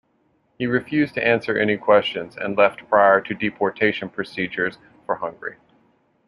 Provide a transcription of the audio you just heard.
He refused to answer any questions and left prior to deportation procedures for Hungary.